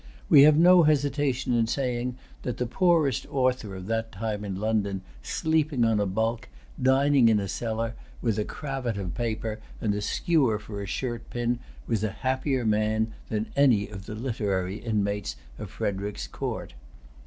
We have no hesitation in saying that the poorest author of that time in London, sleeping on a bulk, dining in a cellar, with a cravat of paper, and a skewer for a shirt pin, was a happier man than any of the literary inmates of Frederic's court.